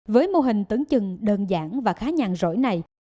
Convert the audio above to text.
với mô hình tưởng chừng đơn giản và khá nhàn rỗi này